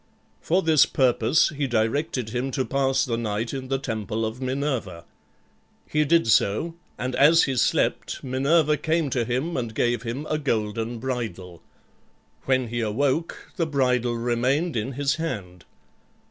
For this purpose he directed him to pass the night in the temple of Minerva. He did so, and as he slept Minerva came to him and gave him a golden bridle. When he awoke the bridle remained in his hand.